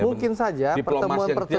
mungkin saja pertemuan pertemuan itu ada